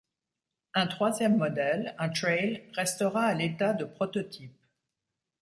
Un troisième modèle, un trail, restera à l'état de prototype.